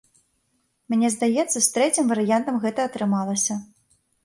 Мне здаецца, з трэцім варыянтам гэта атрымалася.